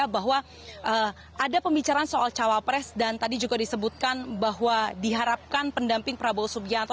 bahwa ada pembicaraan soal cawapres dan tadi juga disebutkan bahwa diharapkan pendamping prabowo subianto